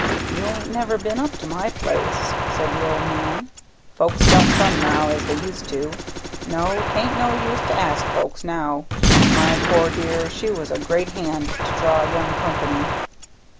"You ain't never been up to my place," said the old man. "Folks don't come now as they used to; no, 'tain't no use to ask folks now. My poor dear she was a great hand to draw young company."